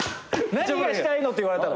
「何がしたいの？」って言われたの？